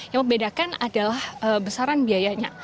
yang membedakan adalah besaran biayanya